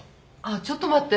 ちょっと待って。